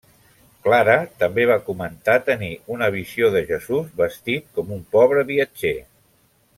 Clara també va comentar tenir una visió de Jesús vestit com un pobre viatger.